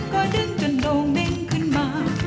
ก็ดึงจนโล่งเหม็นขึ้นมา